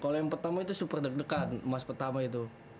kalo yang pertama itu super deg degan emas pertama itu